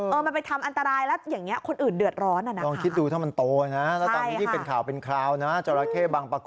เออมันไปทำอันตรายแล้วอย่างนี้คนอื่นเดื